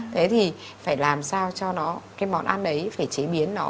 thế thì phải làm sao cho nó cái món ăn đấy phải chế biến nó